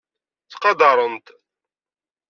Ttqadaren-t.